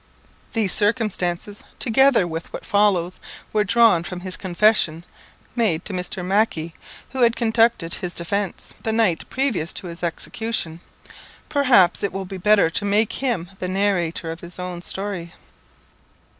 These circumstances, together with what follows, were drawn from his confession, made to Mr. Mac ie, who had conducted his defence, the night previous to his execution. Perhaps it will be better to make him the narrator of his own story.